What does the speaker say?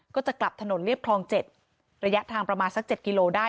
ก็จะกลับถนนเรียบคลอง๗ระยะทางประมาณสัก๗กิโลได้